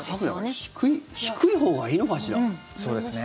家具は低いほうがいいのかしら？